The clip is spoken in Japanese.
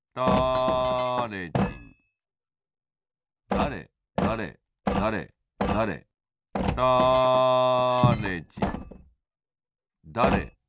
だれだれだれだれだれじんだれだれ